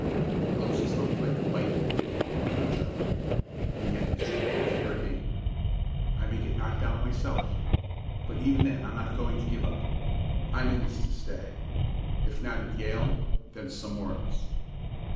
"He looks as though he'd like to bite me," murmured Joe. "And yet it's all a fair game. I may get knocked out myself. But even then I'm not going to give up. I'm in this to stay! If not at Yale, then somewhere else."